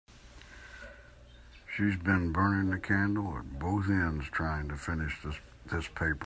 She has been burning the candle at both ends trying to finish this paper.